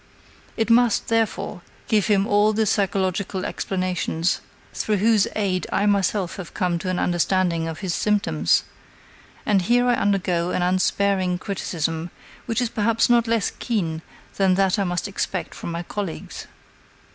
It must, therefore, give him all the psychological explanations through whose aid I myself have come to an understanding of his symptoms, and here I undergo an unsparing criticism, which is perhaps not less keen than that I must expect from my colleagues.